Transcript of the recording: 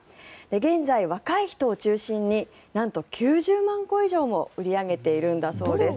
現在、若い人を中心になんと９０万個以上も売り上げているそうです。